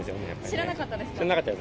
知らなかったですか？